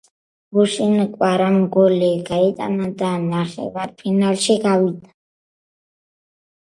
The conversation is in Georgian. გუშინ კვარამ გოლი გაიტანა და ნახევარფინალში გავიდა